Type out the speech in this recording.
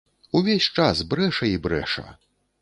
Увесь час брэша і брэша.